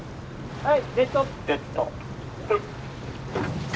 はい」。